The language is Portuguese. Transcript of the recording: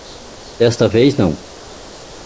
Desta vez não.